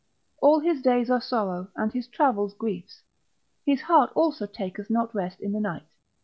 All his days are sorrow and his travels griefs: his heart also taketh not rest in the night.